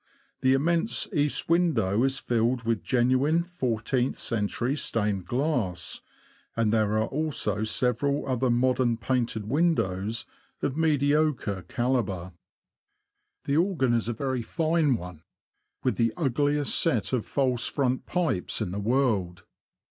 The immense east window is filled with genuine fourteenth century stained glass ; and there are also several other modern painted windows, of mediocre calibre. A RAMBLE THROUGH NORWICH. 77 The organ is a very fine one, with the ugliest set of false front pipes in the world.